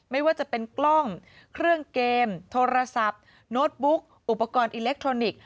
ไม่ว่าจะเป็นกล้องเครื่องเกมโทรศัพท์โน้ตบุ๊กอุปกรณ์อิเล็กทรอนิกส์